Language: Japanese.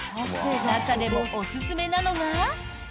中でもおすすめなのが。